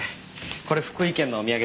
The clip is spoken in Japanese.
これ福井県のお土産です。